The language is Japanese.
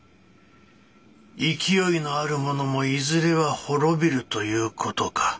勢いのある者もいずれは滅びるという事か。